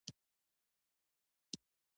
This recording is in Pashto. خلاق تخریب نه رامنځته کوي.